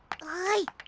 はい。